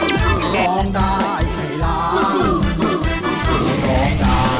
ร้องได้ให้ล้าน